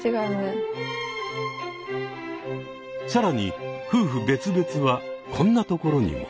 更に夫婦別々はこんなところにも。